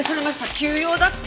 急用だって。